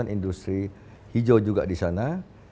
industri hijau juga di sana